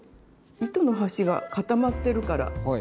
糸の端が固まってるから通しやすく。